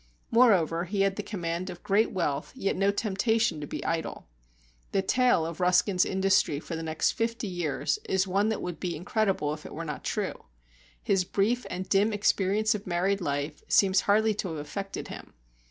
Moreover, he had the command of great wealth, yet no temptation to be idle. The tale of Ruskin's industry for the next fifty years is one that would be incredible if it were not true. His brief and dim experience of married life seems hardly to have affected him.